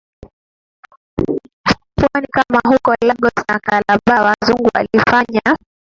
pwani kama huko Lagos na Calabar Wazungu walifanya